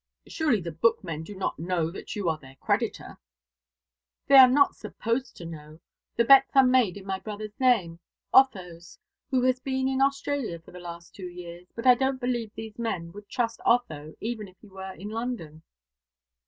"Surely the bookmen do not know that you are their creditor?" "They are not supposed to know. The bets are made in my brother's name Otho's who has been in Australia for the last two years. But I don't believe these men would trust Otho, even if he were in London."